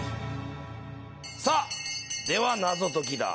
さあ、では謎解きだ！